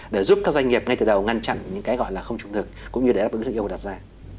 để giúp các doanh nghiệp ngay từ đầu ngăn chặn những cái gọi là không trung thực cũng như để đáp ứng được yêu cầu đặt ra